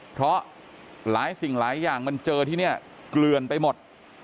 เพราะหลายสิ่งหลายอย่างมันเจอที่นี่เกลือนไปหมด